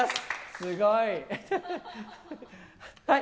すごい。